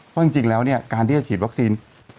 เพราะจริงแล้วเนี่ยการที่จะฉีดวัคซีน